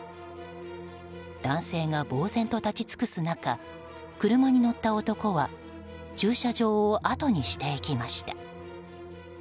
男性がぼうぜんと立ち尽くす中車に乗った男は駐車場をあとにしていきました。